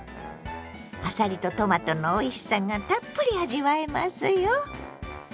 あさりとトマトのおいしさがたっぷり味わえますよ。